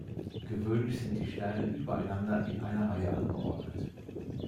Gewöhnlich sind die Sterne übereinander in einer Reihe angeordnet.